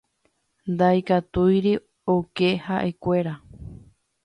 Ndaikatúikuri oke ha'ekuéra.